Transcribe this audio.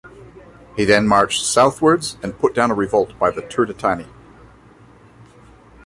He then marched southwards and put down a revolt by the Turdetani.